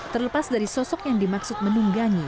terlepas dari sosok yang dimaksud menunggangi